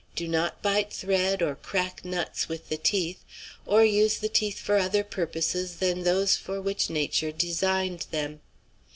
Do not bite thread or crack nuts with the teeth, or use the teeth for other purposes than those for which nature designed them."